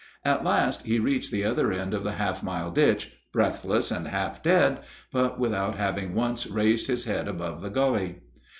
At last he reached the other end of the half mile ditch, breathless and half dead, but without having once raised his head above the gully.